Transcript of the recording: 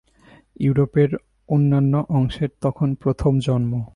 ইউরোপের অন্যান্য অংশের তখন প্রথম জন্ম।